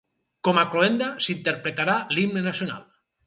Com a cloenda, s’interpretarà l’himne nacional.